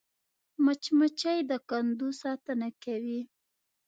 مچمچۍ د کندو ساتنه کوي